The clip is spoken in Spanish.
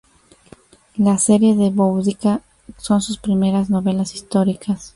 La Serie de Boudica son sus primeras novelas históricas.